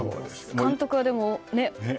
監督は、でも。